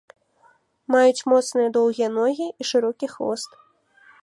Маюць моцныя доўгія ногі і шырокі хвост.